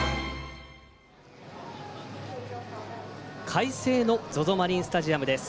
快晴の ＺＯＺＯ マリンスタジアムです。